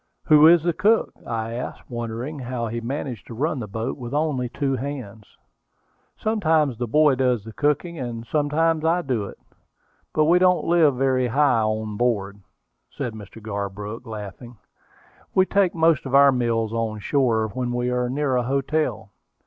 "Who is the cook?" I asked, wondering how he managed to run the boat with only two hands. "Sometimes the boy does the cooking, and sometimes I do it; but we don't live very high on board," said Mr. Garbrook, laughing. "We take most of our meals on shore when we are near a hotel."